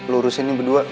lo urusin nih berdua